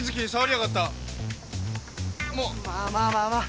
まあまあまあまあ。